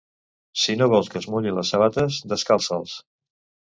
Si no vols que es mullin les sabates, descalça'ls.